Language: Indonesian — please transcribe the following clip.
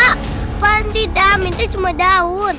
apaan sih dam itu cuma daun